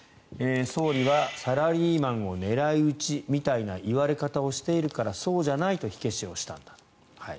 総理はサラリーマンを狙い撃ちみたいな言われ方をしているからそうじゃないと火消しをしたんだと。